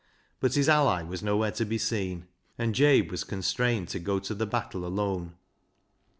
But his ally was nowhere to be seen, and Jabe was constrained to go to the battle alone.